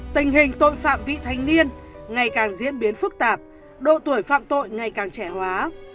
tình hình tội phạm vị thanh niên ngày càng diễn biến phức tạp độ tuổi phạm tội ngày càng trẻ hóa